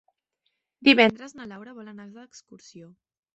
Divendres na Laura vol anar d'excursió.